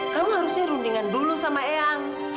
kamu harusnya rundingan dulu sama eyang